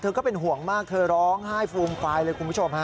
ก็เป็นห่วงมากเธอร้องไห้ฟูมฟายเลยคุณผู้ชมฮะ